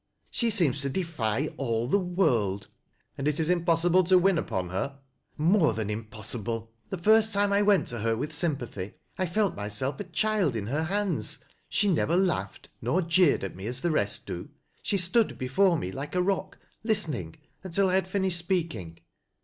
She seems to defy all the world." " And it is impossible to win upon her ?"" More than impossible. The first time I went to he/ with sympathy, I felt myself a child in her hands. She never laughed nor jeered at me as the rest do. She stood before me like a rock, listening until I had finished speak ing.